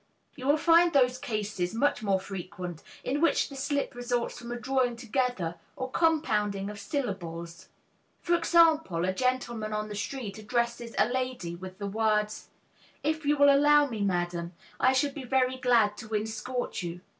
You will find those cases much more frequent in which the slip results from a drawing together or compounding of syllables; for example, a gentleman on the street addresses a lady with the words, "If you will allow me, madame, I should be very glad to inscort you."